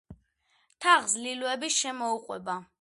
თაღს ლილვები შემოუყვება.